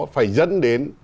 phải dẫn đến